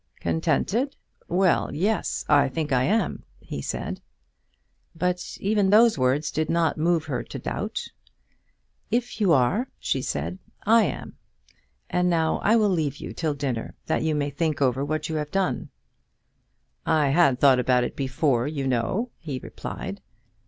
"Contented? well, yes; I think I am," he said. But even those words did not move her to doubt. "If you are," she said, "I am. And now I will leave you till dinner, that you may think over what you have done." "I had thought about it before, you know," he replied.